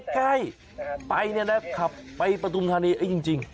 ใกล้ไปนี้นะครับไปประธุมธานีจริง